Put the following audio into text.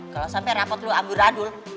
kalau sampe rapot lu ambur adul